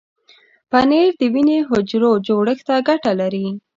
پنېر د وینې حجرو جوړښت ته ګټه لري.